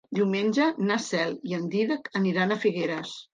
Diumenge na Cel i en Dídac aniran a Figueres.